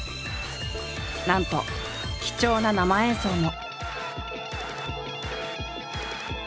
なんと貴重な生演奏も。